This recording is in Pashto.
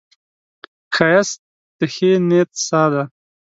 ښایست د ښې نیت ساه ده